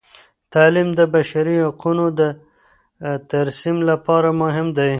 تعلیم د بشري حقونو د ترسیم لپاره مهم دی.